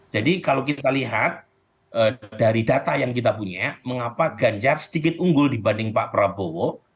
jadi kalau kita lihat dari data yang kita punya mengapa ganjar sedikit unggul dibanding pak prabowo